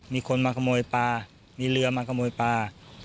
มีคนมาขโมยปลามีเรือมาขโมยปลา